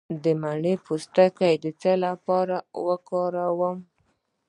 د مڼې پوستکی د څه لپاره وکاروم؟